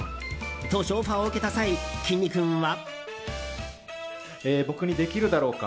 当初、オファーを受けた際きんに君は。